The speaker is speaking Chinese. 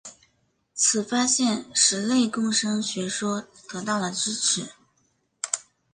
此发现使内共生学说得到了支持。